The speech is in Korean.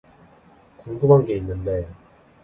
궁금한 게 있는데.